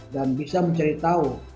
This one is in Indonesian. dan bisa mencari tahu